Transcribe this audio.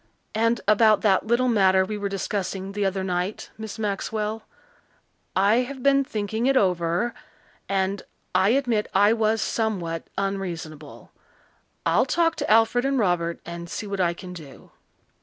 And about that little matter we were discussing the other night, Miss Maxwell. I have been thinking it over, and I admit I was somewhat unreasonable. I'll talk to Alfred and Robert and see what I can do."